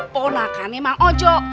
ponakannya bang ojo